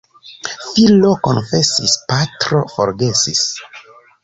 Filo konfesis, patro forgesis.